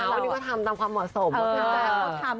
เราอันนี้ก็ทำตามความหว่าสม